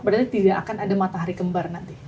berarti tidak akan ada matahari kembar nanti